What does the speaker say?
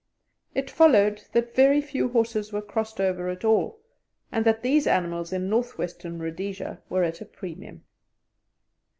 It followed that very few horses were crossed over at all, and that these animals in North Western Rhodesia were at a premium.